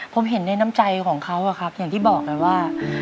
ผมเห็นในน้ำใจของเขาอะครับอย่างที่บอกไงว่า